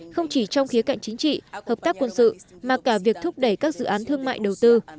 không chỉ trong khía cạnh chính trị hợp tác quân sự mà cả việc thúc đẩy các dự án thương mại đầu tư